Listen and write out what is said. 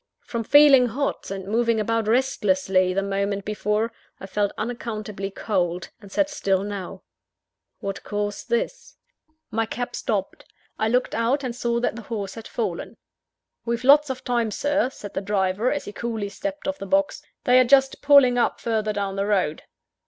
From feeling hot, and moving about restlessly the moment before, I felt unaccountably cold, and sat still now. What caused this? My cab stopped. I looked out, and saw that the horse had fallen. "We've lots of time, Sir," said the driver, as he coolly stepped off the box, "they are just pulling up further down the road."